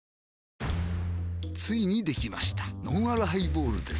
ついにできましたのんあるハイボールです